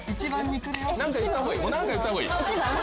何か言ったほうがいい。